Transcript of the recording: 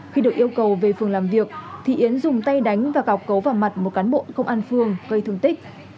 khi được yêu cầu về phường làm việc thị yến dùng tay đánh và cào cấu vào mặt một cán bộn công an phường gây thương tích